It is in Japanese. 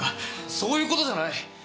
そういう事じゃない！